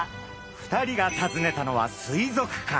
２人が訪ねたのは水族館。